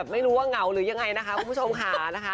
ไม่รู้ว่าเหงาหรือยังไงนะคะคุณผู้ชมค่ะนะคะ